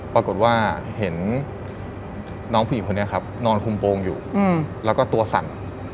ปรากฏว่าเห็นน้องผู้หญิงคนนี้ครับนอนคุมโปรงอยู่แล้วก็ตัวสั่น